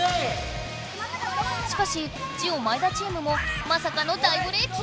しかしジオ前田チームもまさかの大ブレーキ！